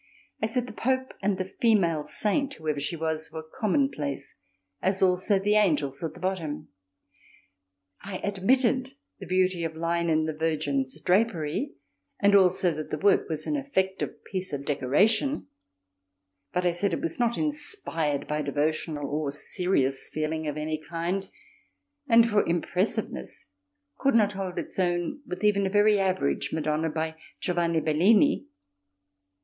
I said the Pope and female saint, whoever she was, were commonplace, as also the angels at the bottom. I admitted the beauty of line in the Virgin's drapery and also that the work was an effective piece of decoration, but I said it was not inspired by devotional or serious feeling of any kind and for impressiveness could not hold its own with even a very average Madonna by Giovanni Bellini.